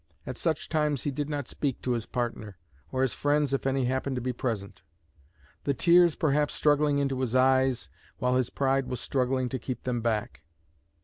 At such times he did not speak to his partner, or his friends if any happened to be present; the tears perhaps struggling into his eyes, while his pride was struggling to keep them back.